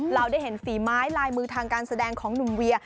เราได้เห็นฝีไม้ลายมือทางการแสดงของหนุ่มเวีย